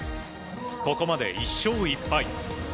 ここまで１勝１敗。